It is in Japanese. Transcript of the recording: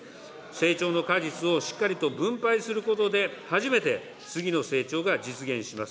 成長の果実をしっかりと分配することで、初めて次の成長が実現します。